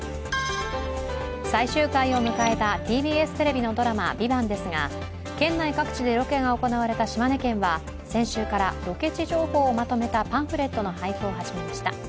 最終回を迎えたＴＢＳテレビのドラマ「ＶＩＶＡＮＴ」ですが、県内各地でロケが行われた島根県は先週からロケ地情報をまとめたパンフレットの配布を始めました。